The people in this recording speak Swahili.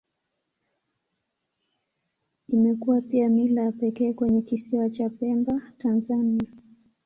Imekuwa pia mila ya pekee kwenye Kisiwa cha Pemba, Tanzania.